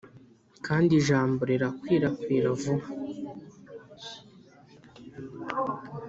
kandi ijambo rirakwirakwira vuba